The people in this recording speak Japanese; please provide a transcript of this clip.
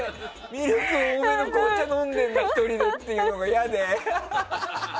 ミルク多めの紅茶飲んでるんだ１人でっていうのが嫌で。